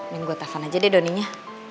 minta gue telfon aja deh donny nya